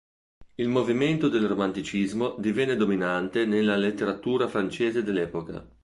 Il movimento del romanticismo divenne dominante nella letteratura francese dell'epoca.